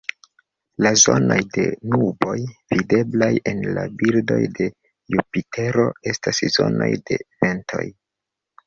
La zonoj de nuboj videblaj en la bildoj de Jupitero estas zonoj de ventoj.